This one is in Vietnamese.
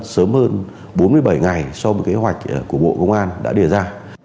sớm hơn bốn mươi bảy ngày sau một kế hoạch của bộ công an đã đề ra